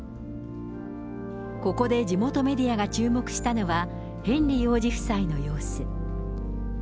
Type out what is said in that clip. ここで地元メディアが注目したのは、ヘンリー王子夫妻の様子。